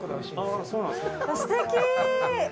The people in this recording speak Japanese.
すてき！